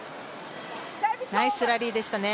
ナイスラリーでしたね。